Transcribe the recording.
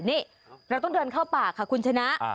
นี่เราต้องเดินเข้าป่าค่ะคุณชนะ